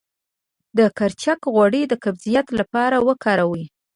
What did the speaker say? د کرچک غوړي د قبضیت لپاره وکاروئ